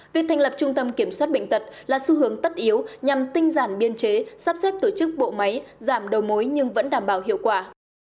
việc thành lập trung tâm kiểm soát bệnh tật là xu hướng tất yếu nhằm tinh giản biên chế sắp xếp tổ chức bộ máy giảm đầu mối nhưng vẫn đảm bảo hiệu quả